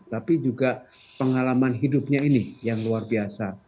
tapi juga pengalaman hidupnya ini yang luar biasa